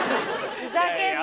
ふざけんなよ！